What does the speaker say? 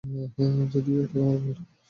যদিও এটা তোমার ভুল।